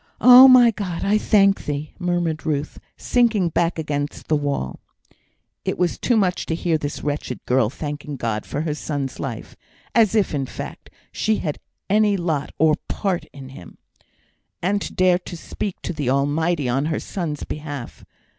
"Oh! my God, I thank Thee," murmured Ruth, sinking back against the wall. It was too much to hear this wretched girl thanking God for her son's life; as if, in fact, she had any lot or part in him, and to dare to speak to the Almighty on her son's behalf!